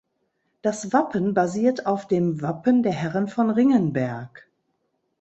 Das Wappen basiert auf dem Wappen der Herren von Ringenberg.